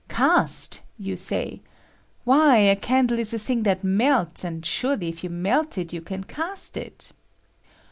" Cast !" you say. " Why, a candle is a thing that melts, and surely if you can melt it you can cast it."